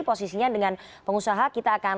posisinya dengan pengusaha kita akan